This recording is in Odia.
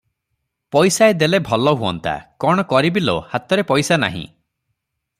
ପଇସାଏ ଦେଲେ ଭଲ ହୁଅନ୍ତା - କଣ କରିବି ଲୋ, ହାତରେ ପଇସା ନାହିଁ ।